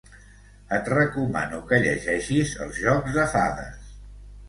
Et recomano que llegeixis els jocs de fades.